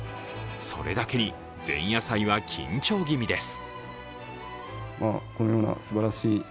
それだけに前夜祭は緊張気味です。